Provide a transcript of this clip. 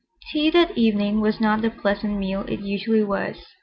Tea that evening was not the pleasant meal it usually was.